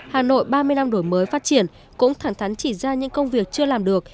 hà nội ba mươi năm đổi mới phát triển cũng thẳng thắn chỉ ra những công việc chưa làm được